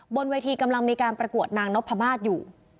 บนเวทีกำลังมีการประกวดนางนพมาศอยู่